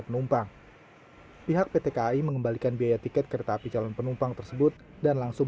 penumpang pihak pt kai mengembalikan biaya tiket kereta api calon penumpang tersebut dan langsung